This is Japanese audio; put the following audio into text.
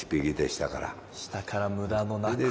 下から無駄のなく。